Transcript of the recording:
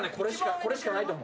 これしかないと思う。